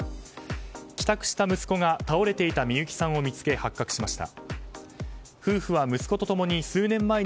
帰宅した息子が倒れていたみゆきさんを見つけ発覚しました。